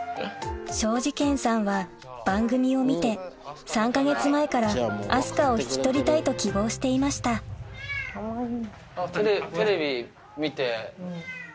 庄司見さんは番組を見て３か月前から明日香を引き取りたいと希望していましたテレビ見て？